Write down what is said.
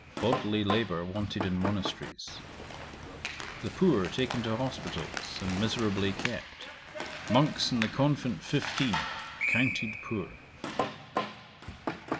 Bodily labour wanted in monasteries. 'The poor taken to hospitals, and miserably kept. Monks in the convent fifteen: accounted poor.